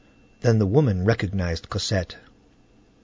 Then the woman recognized Cosette.